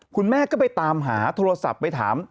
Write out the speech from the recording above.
คุณแม่ก็ไปตามหาโทรศัพท์ไปถาม